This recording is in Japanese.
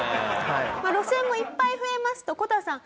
路線もいっぱい増えますとこたさん